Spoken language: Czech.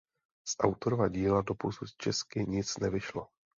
Z autorova díla doposud česky nic nevyšlo.